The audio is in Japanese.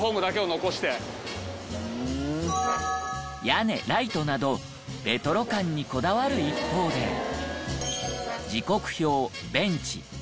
屋根ライトなどレトロ感にこだわる一方で時刻表ベンチ売店